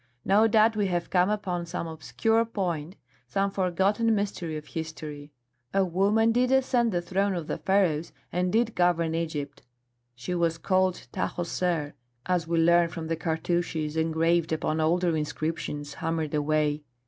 No doubt we have come upon some obscure point, some forgotten mystery of history. A woman did ascend the throne of the Pharaohs and did govern Egypt. She was called Tahoser, as we learn from the cartouches engraved upon older inscriptions hammered away.